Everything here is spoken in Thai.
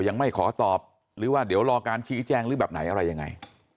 ยังไม่ขอตอบหรือว่าเดี๋ยวรอการชี้แจงหรือแบบไหนอะไรยังไง